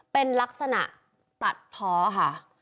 เป็นลักษณะตัดเพาะค่ะ